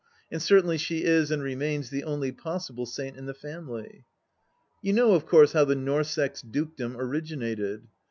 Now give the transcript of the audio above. ... And certainly she is, and remains, the only possible saint in the family I You know, of course, how the Norssex dukedom originated